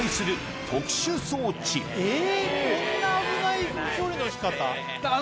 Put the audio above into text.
こんな危ない処理の仕方？